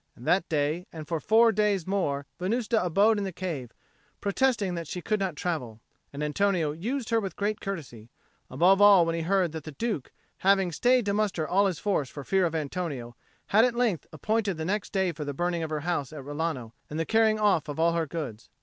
And that day and for four days more Venusta abode in the cave, protesting that she could not travel; and Antonio used her with great courtesy, above all when he heard that the Duke, having stayed to muster all his force for fear of Antonio, had at length appointed the next day for the burning of her house at Rilano and the carrying off of all her goods.